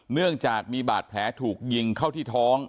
เนื่องจากมีบาดแผลถูกยิงเข้าที่ท้อง